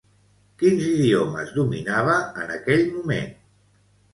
Quins idiomes dominava en aquell moment?